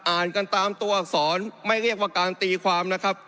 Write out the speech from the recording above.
อ่านกันตามตัวอักษรไม่เรียกว่าการตีความนะครับ